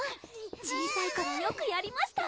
小さい頃よくやりました！